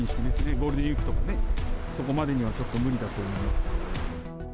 ゴールデンウィークとかね、そこまでにはちょっと無理だと思います。